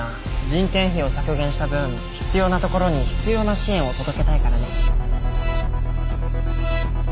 人件費を削減した分必要なところに必要な支援を届けたいからね。